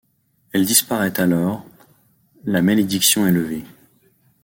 Elle disparait alors, la malédiction est levée.